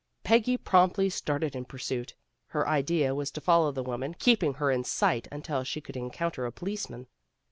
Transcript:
Peggy promptly started in pursuit. Her idea was to follow the woman, keeping her in sight until she could encounter a policeman.